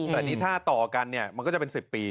แต่นี่ถ้าต่อกันเนี่ยมันก็จะเป็น๑๐ปี